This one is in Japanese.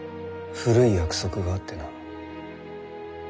古い約束があってな。